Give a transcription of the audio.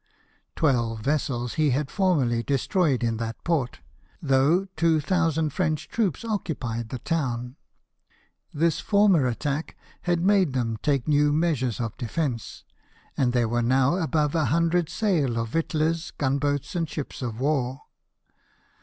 Twelve vessels he had formerly destroyed "IN A CLEFT stick:' 91 in that port, though 2,000 French troops occupied the town ; this former attack had made them take new measures of defence, and there were now above 100 sail of victuallers, gunboats, and ships of war.